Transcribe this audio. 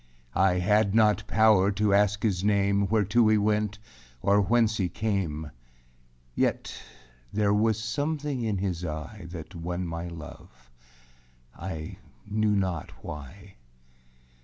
I had not powâr to ask his name, Whereto he went, or whence he came; Yet there was something in his eye That won my love; I knew not why.